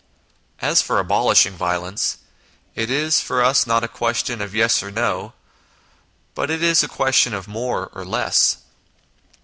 As for abolishing violence it is for us not a question of yes or no, but it is a question of more or less.